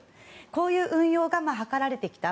こういう運用が図られてきた。